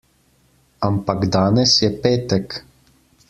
Ampak danes je petek.